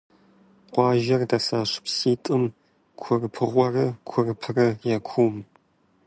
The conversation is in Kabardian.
Къуажэр дэсащ пситӀым – Курпыгъурэ Курпрэ – я кум.